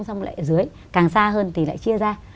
xong lại dưới càng xa hơn thì lại chia ra